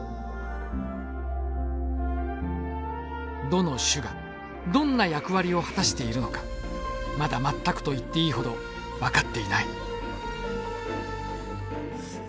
どの種がどんな役割を果たしているのかまだ全くと言っていいほど分かっていない。